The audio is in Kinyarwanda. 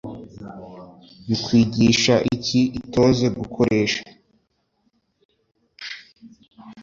bikwigisha iki itoze gukoresha